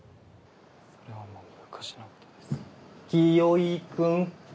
「それはもう昔のことです」。